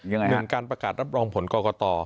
หนึ่งการประกาศรับรองผลกรกต